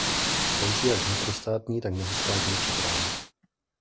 Slouží jak vnitrostátní tak mezistátní přepravě.